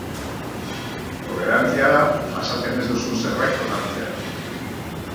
Tolerantzia da jasaten ez duzun zerbait onartzea.